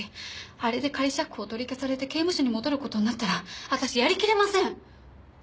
あれで仮釈放取り消されて刑務所に戻ることになったら私やり切れません！